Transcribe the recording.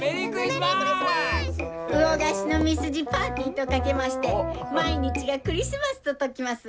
うをがしのみすじパーティーと掛けまして毎日がクリスマスとときます！